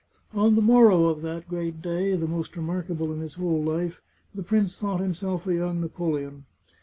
On the morrow of that great day, the most remarkable in his whole life, the prince thought himself a young Na poleon.